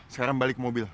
sekarang balik ke mobil